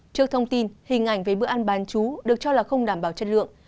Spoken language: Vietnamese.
trước thông tin hình ảnh về bữa ăn bán chú được cho là không đảm bảo chất lượng